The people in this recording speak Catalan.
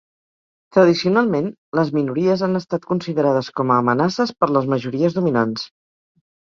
Tradicionalment, les minories han estat considerades com a amenaces per les majories dominants.